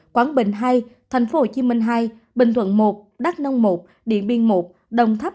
quảng bình hai tp hcm hai bình thuận một đắk nông một điện biên một đồng tháp một